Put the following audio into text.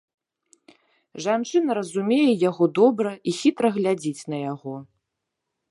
Жанчына разумее яго добра і хітра глядзіць на яго.